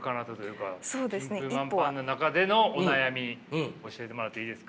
順風満帆な中でのお悩み教えてもらっていいですか。